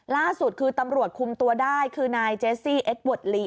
ล่าสุดคือตำรวจคุมตัวได้คือนายเจสซี่เอ็กเวิร์ดลี